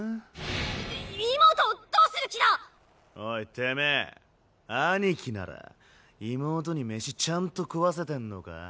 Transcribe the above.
てめぇ兄貴なら妹に飯ちゃんと食わせてんのか？